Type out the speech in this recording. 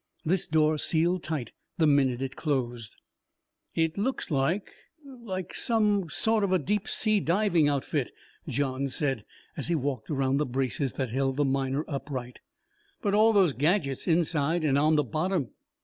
This door sealed tight the minute it closed. "It looks like like some sort of a deep sea diving outfit," Johns said as he walked around the braces that held the Miner upright. "But all those gadgets inside and on the bottom